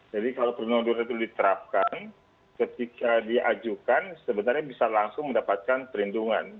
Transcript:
jadi kalau perlindungan darurat itu diterapkan ketika diajukan sebenarnya bisa langsung mendapatkan perlindungan